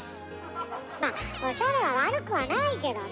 まあおしゃれは悪くはないけどね。